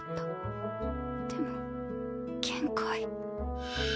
でも限界。